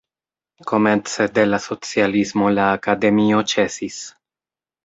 Komence de la socialismo la akademio ĉesis.